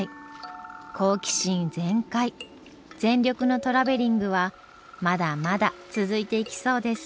好奇心全開全力のトラベリングはまだまだ続いていきそうです。